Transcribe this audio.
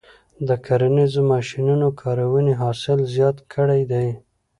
د کرنیزو ماشینونو کارونې حاصل زیات کړی دی.